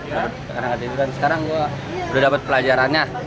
karena ketiduran sekarang gue udah dapat pelajarannya